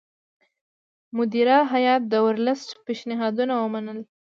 مدیره هیات د ورلسټ پېشنهادونه ونه منل.